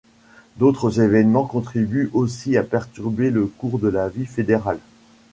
D’autres évènements contribuent aussi à perturber le cours de la vie fédérale.